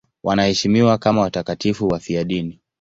Wanaheshimiwa kama watakatifu wafiadini.